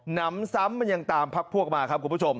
หนำซ้ำมันยังตามพักพวกมาครับ